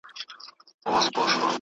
فلسفه د واقعيتونو د پوهېدو وسيله ده.